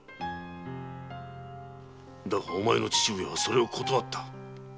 だがお前の父親はそれを断った。